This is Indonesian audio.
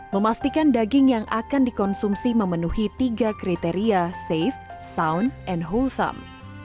memastikan daging yang akan dikonsumsi memenuhi tiga kriteria safe sound and wholesome